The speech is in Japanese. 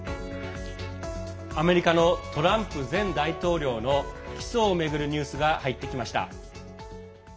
アメリカのトランプ前大統領の起訴を巡るニュースが入ってきました。